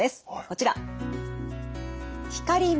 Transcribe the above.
こちら。